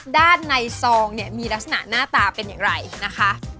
ด้านในซองเนี่ยมีลักษณะหน้าตาเป็นอย่างไรนะคะ